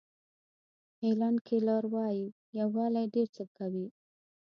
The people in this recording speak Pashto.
هیلن کیلر وایي یووالی ډېر څه کوي.